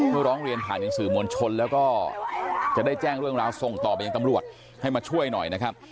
เพื่อร้องเรียนผ่านยังสื่อมวลชนแล้วก็จะได้แจ้งเรื่องราวส่งต่อไปยังตำรวจให้มาช่วยหน่อยนะครับ